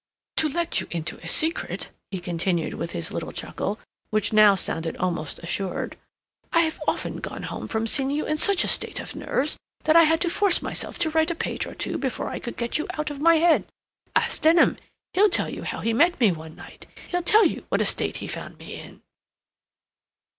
To let you into a secret," he continued, with his little chuckle, which now sounded almost assured, "I've often gone home from seeing you in such a state of nerves that I had to force myself to write a page or two before I could get you out of my head. Ask Denham; he'll tell you how he met me one night; he'll tell you what a state he found me in."